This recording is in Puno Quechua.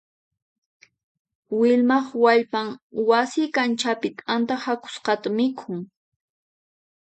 Vilmaq wallpan wasi kanchapi t'anta hak'usqata mikhun.